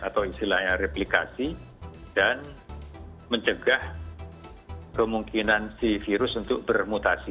atau istilahnya replikasi dan mencegah kemungkinan si virus untuk bermutasi